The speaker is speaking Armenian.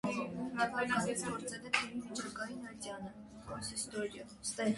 Նույն թվականից գործել է թեմի վիճակային ատյանը (կոնսիստորիա)։